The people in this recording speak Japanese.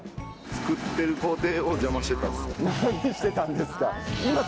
作ってる工程を邪魔してたん何してたんですか。